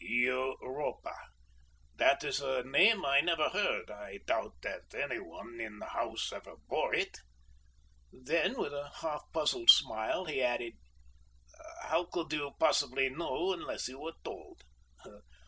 "Europa? That is a name I never heard; I doubt that any one in the house ever bore it." Then, with a half puzzled smile, he added: "How could you possibly know unless you were told?